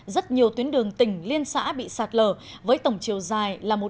rất nhiều tuyến đường tỉnh liên xã bị sạt lở với tổng chiều dài là một chín trăm sáu mươi m